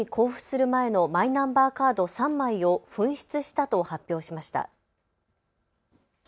横浜市はきょう市民に交付する前のマイナンバーカード３枚を紛失したと発表しました。